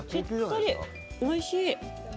しっとり、おいしい。